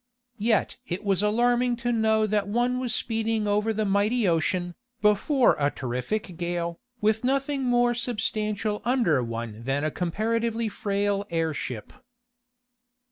Yet it was alarming to know that one was speeding over the mighty ocean, before a terrific gale, with nothing more substantial under one that a comparatively frail airship.